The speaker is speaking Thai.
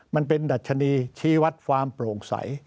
มันเป็นดัชนีชี้วัดความโปร่งใส